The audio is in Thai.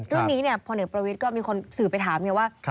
เรื่องนี้เนี่ยพลเนกประวิทย์ก็มีคนสื่อไปถามเนี่ยว่า